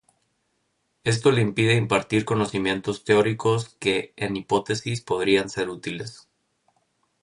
Esto le impide impartir conocimientos teóricos que en hipótesis podrían ser útiles.